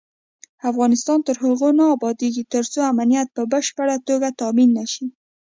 افغانستان تر هغو نه ابادیږي، ترڅو امنیت په بشپړه توګه تامین نشي.